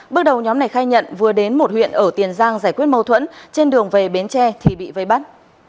bước đầu nhóm này khai nhận vừa đến một huyện ở tiền giang giải quyết mâu thuẫn trên đường về bến tre thì bị vây bắt